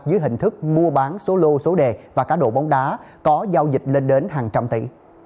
dưới hình thức mua bán số lô số đề và cá độ bóng đá có giao dịch lên đến hàng trăm tỷ